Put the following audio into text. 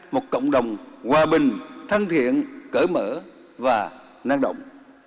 một cộng đồng hòa bình thân thiện cỡ mở và năng động